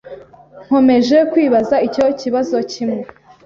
Nkomeje kwibaza icyo kibazo kimwe.